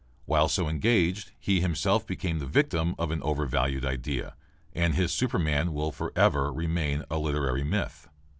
While so engaged, he himself became the victim of an overvalued idea, and his superman will forever remain a literary myth.